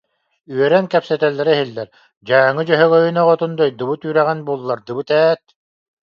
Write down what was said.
Үөрэн кэпсэтэллэрэ иһиллэр: «Дьааҥы Дьөһөгөйүн оҕотун дойдубут үрэҕин буллардыбыт ээт»